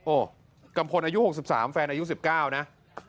กัมพลอายุ๖๓แฟนอายุ๑๙นะ